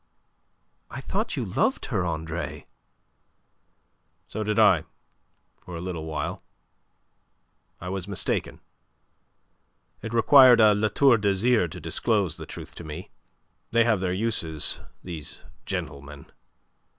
I thought you loved her, Andre." "So did I, for a little while. I was mistaken. It required a La Tour d'Azyr to disclose the truth to me. They have their uses, these gentlemen.